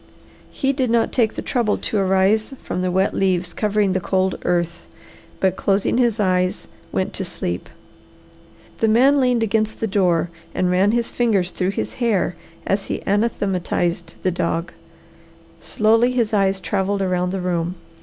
He did not take the trouble to arise from the wet leaves covering the cold earth, but closing his eyes went to sleep. The man leaned against the door and ran his fingers through his hair as he anathematized the dog. Slowly his eyes travelled around the room.